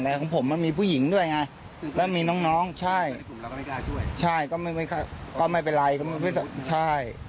และของผมมันมีผู้หญิงด้วยไงและมีน้องใช่ก็ไม่เป็นไร